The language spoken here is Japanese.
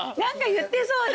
言ってそう私。